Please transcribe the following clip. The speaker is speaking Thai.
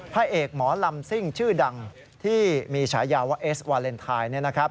พระเอกหมอลำซิ่งชื่อดังที่มีฉายาว่าเอสวาเลนไทย